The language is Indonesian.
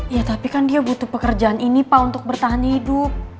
ya tapi kan dia butuh pekerjaan ini pak untuk bertahan hidup